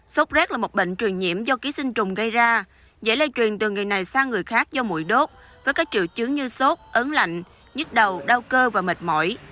số z là một bệnh truyền nhiễm do ký sinh trùng gây ra dễ lây truyền từ ngày này sang người khác do mũi đốt với các triệu chứng như số z ớn lạnh nhức đầu đau cơ và mệt mỏi